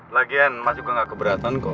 lagian mas juga gak keberatan kok